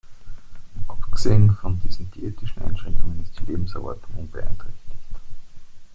Abgesehen von diesen diätetischen Einschränkungen ist die Lebenserwartung unbeeinträchtigt.